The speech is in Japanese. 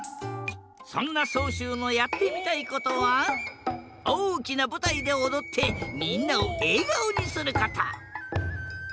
そんなそうしゅうのやってみたいことはおおきなぶたいでおどってみんなをえがおにすること。